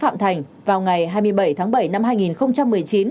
phạm thành vào ngày hai mươi bảy tháng bảy năm hai nghìn một mươi chín